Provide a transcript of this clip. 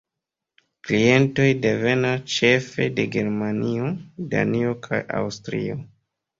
Klientoj devenas ĉefe de Germanio, Danio kaj Aŭstrio.